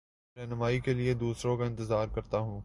رہنمائ کے لیے دوسروں کا انتظار کرتا ہوں